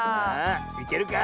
いけるか？